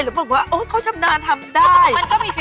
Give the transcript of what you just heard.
หรือบอกว่าโอ๊ยเขาชำนาญทำได้มันก็มีฝีมืออยู่บ้างแม่